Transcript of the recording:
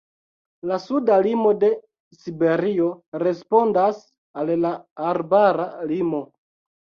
La suda limo de Siberio respondas al la arbara limo.